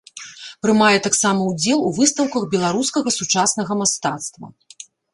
Прымае таксама ўдзел у выстаўках беларускага сучаснага мастацтва.